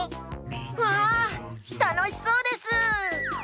わあたのしそうです！